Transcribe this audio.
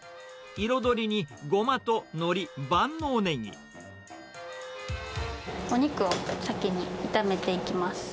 彩りにゴマとのり、お肉を先に炒めていきます。